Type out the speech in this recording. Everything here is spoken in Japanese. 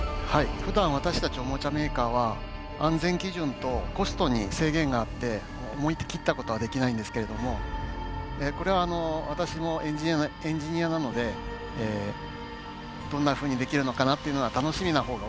ふだん私たちおもちゃメーカーは安全基準とコストに制限があって思い切ったことはできないんですけれどもこれは私もエンジニアなのでどんなふうにできるのかなっていうのは楽しみなほうが大きいです。